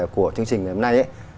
của chương trình ngày hôm nay